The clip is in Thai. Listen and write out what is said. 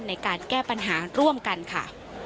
ในการแก้ปัญหาร่วมกันค่ะ